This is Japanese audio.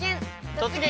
「突撃！